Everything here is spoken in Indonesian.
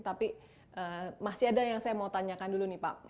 tapi masih ada yang saya mau tanyakan dulu nih pak